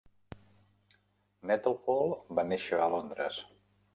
Nettlefold va néixer a Londres.